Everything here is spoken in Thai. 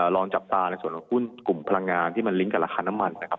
ลองจับตาในส่วนของหุ้นกลุ่มพลังงานที่มันลิ้นกับราคาน้ำมันนะครับ